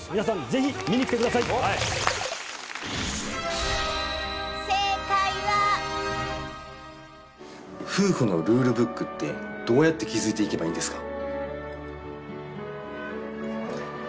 ぜひ見に来てください正解は夫婦のルールブックってどうやって築いていけばいいんですか？